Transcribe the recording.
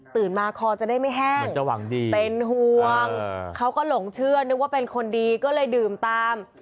มาคอจะได้ไม่แห้งเป็นห่วงเขาก็หลงเชื่อนึกว่าเป็นคนดีก็เลยดื่มตาม